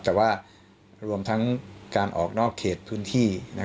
แต่ว่ารวมทั้งการออกนอกเขตพื้นที่